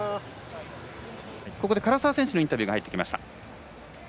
ここで唐澤選手のインタビューが入ってきました。